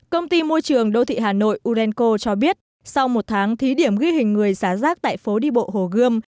công ty môi trường đô thị hà nội urenco cho biết sau một tháng thí điểm ghi hình người xả rác tại phố đi bộ hồ gươm